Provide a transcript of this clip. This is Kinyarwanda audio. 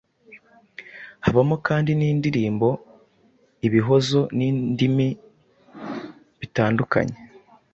Habamo kandi n’indirimbo, ibihozo, n’ibindi bitandukanye.